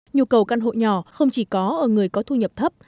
nhu cầu căn hộ nhỏ không chỉ có ở người có thu nhập thấp